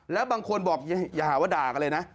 แล้วบางคนบอกอย่าหาว่าด่ากันเลยนะ